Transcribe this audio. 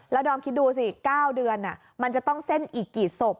แล้วดอมคิดดูสิ๙เดือนมันจะต้องเส้นอีกกี่ศพ